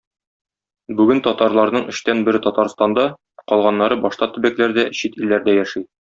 Бүген татарларның өчтән бере - Татарстанда, калганнары - башка төбәкләрдә, чит илләрдә яши.